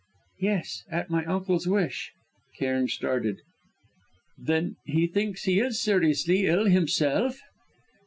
"Yes, at my uncle's wish." Cairn started. "Then he thinks he is seriously ill, himself?"